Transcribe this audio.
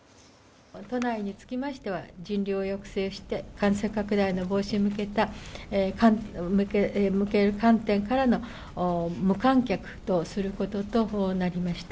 都内につきましては人流を抑制して感染拡大の防止に向けた観点からの無観客とすることとなりました。